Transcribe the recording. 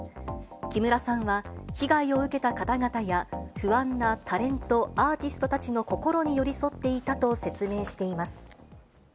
木村さんは被害を受けた方々や、不安なタレント、アーティストたちの心に寄り添っていたと説明しています。